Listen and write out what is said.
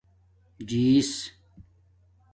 جیس